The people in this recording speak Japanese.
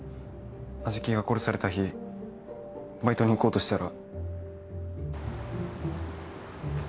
安食が殺された日バイトに行こうとしたら